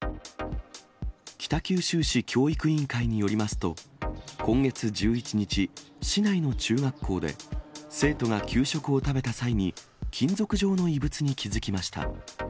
北九州市教育委員会によりますと、今月１１日、市内の中学校で、生徒が給食を食べた際に、金属状の異物に気付きました。